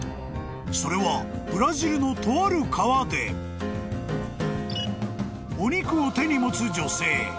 ［それはブラジルのとある川でお肉を手に持つ女性］